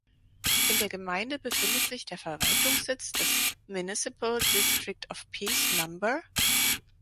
In der Gemeinde befindet sich der Verwaltungssitz des Municipal District of Peace No.